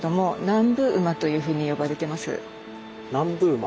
南部馬？